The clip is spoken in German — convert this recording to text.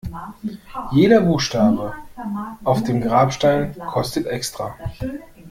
Jeder Buchstabe auf dem Grabstein kostet extra.